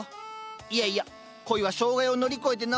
いやいや恋は障害を乗り越えてなんぼ。